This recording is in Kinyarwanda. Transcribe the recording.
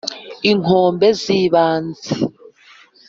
inkombe z'ibanze.